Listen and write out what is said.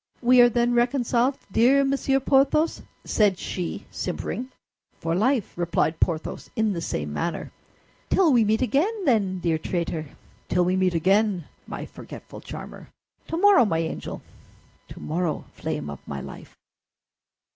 "We are then reconciled, dear Monsieur Porthos?" said she, simpering. "For life," replied Porthos, in the same manner. "Till we meet again, then, dear traitor!" "Till we meet again, my forgetful charmer!" "Tomorrow, my angel!" "Tomorrow, flame of my life!"